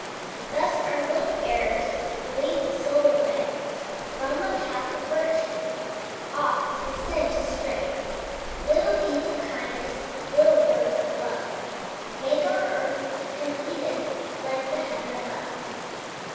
Thus our little errors Lead the soul away From the path of virtue, Off in sin to stray. Little deeds of kindness, Little words of love, Make our earth an Eden, Like the heaven above.